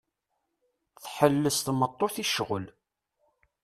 Tḥelles tmeṭṭut i ccɣel.